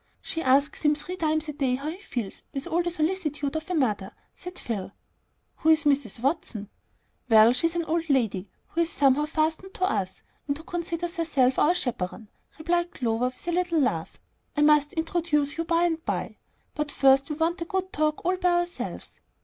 She asks him three times a day how he feels, with all the solicitude of a mother," said Phil. "Who's Mrs. Watson?" "Well, she's an old lady who is somehow fastened to us, and who considers herself our chaperone," replied Clover, with a little laugh. "I must introduce you by and by, but first we want a good talk all by ourselves.